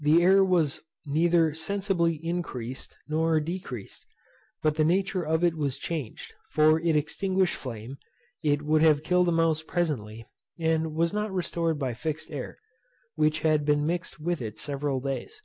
The air also was neither sensibly increased nor decreased, but the nature of it was changed; for it extinguished flame, it would have killed a mouse presently, and was not restored by fixed air, which had been mixed with it several days.